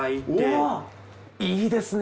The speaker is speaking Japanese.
おっいいですね